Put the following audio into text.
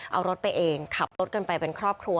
เอารถไปเองขับรถกันไปเป็นครอบครัว